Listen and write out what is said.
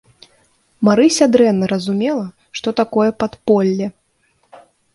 Марыся дрэнна разумела, што такое падполле.